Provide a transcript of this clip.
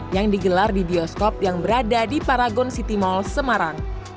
yang digelar di bioskop yang berada di paragon city mall semarang